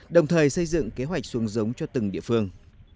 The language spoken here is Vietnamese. đồng thời xây dựng kế hoạch xuống giống cho từng địa phương